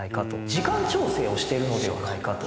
時間調整をしているのではないかと。